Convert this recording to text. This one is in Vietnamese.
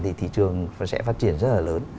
thì thị trường sẽ phát triển rất là lớn